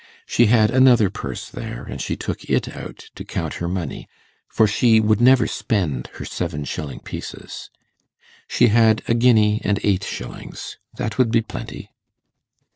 She had another purse there, and she took it out to count her money, for she would never spend her seven shilling pieces. She had a guinea and eight shillings; that would be plenty.